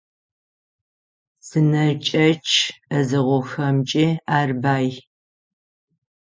Псынэкӏэчъ ӏэзэгъухэмкӏи ар бай.